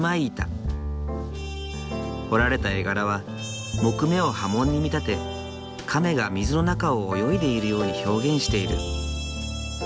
彫られた絵柄は木目を波紋に見立て亀が水の中を泳いでいるように表現している。